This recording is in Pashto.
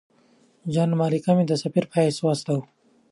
جان مالکم سفیر په حیث واستاوه.